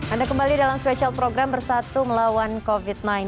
anda kembali dalam spesial program bersatu melawan covid sembilan belas